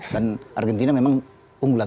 dan argentina memang unggulan